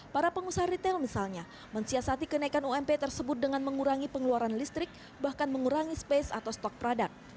para pengusaha retail misalnya mensiasati kenaikan ump tersebut dengan mengurangi pengeluaran listrik bahkan mengurangi space atau stok product